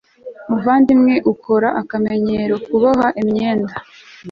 Muvandimwe ukora akamenyero kuboha imyenda